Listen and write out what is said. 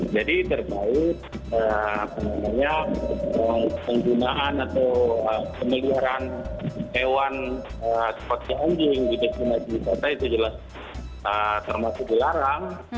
terkait penggunaan atau pemeliharaan hewan spotnya anjing di destinasi wisata itu jelas termasuk dilarang